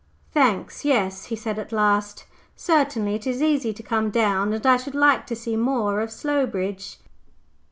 "Thanks, yes," he said at last. "Certainly. It is easy to come down, and I should like to see more of Slowbridge."